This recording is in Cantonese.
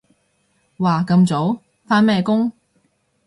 哇咁早？返咩工？